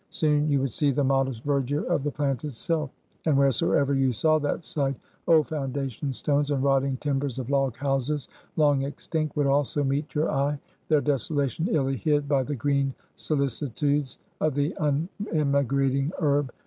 Soon you would see the modest verdure of the plant itself; and wheresoever you saw that sight, old foundation stones and rotting timbers of log houses long extinct would also meet your eye; their desolation illy hid by the green solicitudes of the unemigrating herb.